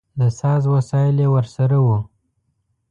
د ساز وسایل یې ورسره و.